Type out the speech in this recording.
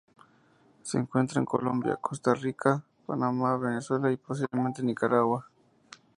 Se encuentra en Colombia, Costa Rica, Panamá, Venezuela y, posiblemente, Nicaragua.